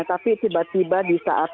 tapi tiba tiba di saat